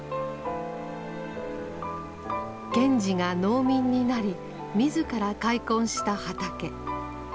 賢治が農民になり自ら開墾した畑。